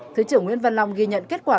thứ trưởng nguyễn văn long ghi nhận kết quả